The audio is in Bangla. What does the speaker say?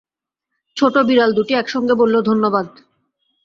ছোট বিড়াল দুটি একসঙ্গে বলল, ধন্যবাদ।